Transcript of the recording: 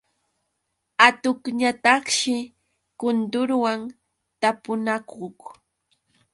Atuqñataqshi kundurwan tapunakuq.